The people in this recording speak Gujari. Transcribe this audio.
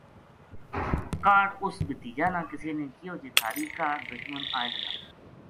کاہڈ اس بھتیجا نا کِسے نے کہیو جے تھاری کاہڈ دشمن آئے لگا